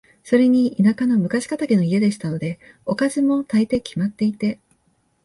それに田舎の昔気質の家でしたので、おかずも、大抵決まっていて、